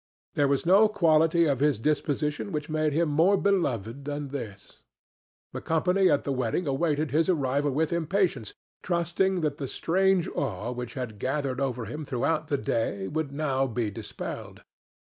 There was no quality of his disposition which made him more beloved than this. The company at the wedding awaited his arrival with impatience, trusting that the strange awe which had gathered over him throughout the day would now be dispelled.